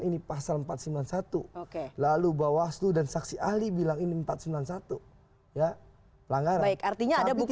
ini pasal empat ratus sembilan puluh satu lalu bawaslu dan saksi ahli bilang ini empat ratus sembilan puluh satu ya pelanggaran artinya bukti